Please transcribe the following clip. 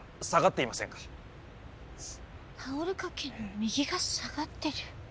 タオル掛けの右が下がってる？